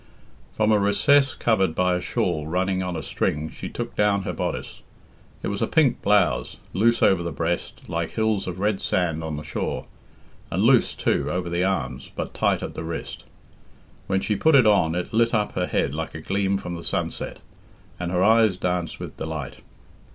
From a recess covered by a shawl running on a string she took down her bodice. It was a pink blouse, loose over the breast, like hills of red sand on the shore, and loose, too, over the arms, but tight at the wrist. When she put it on it lit up her head like a gleam from the sunset, and her eyes danced with delight.